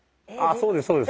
そうですそうです。